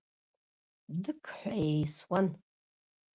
Дықҳәа еисуан.